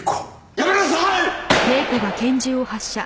やめなさい！